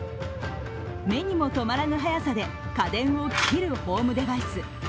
目にも止まらぬ速さで家電を切るホームデバイス